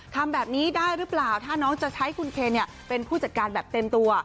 ทำแบบนี้ได้หรือเปล่าถ้าน้องจะใช้คุณเคนเป็นผู้จัดการแบบเต็มตัว